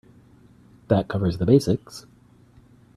That covers the basics.